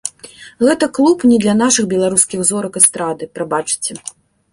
Гэта клуб не для нашых беларускіх зорак эстрады, прабачце.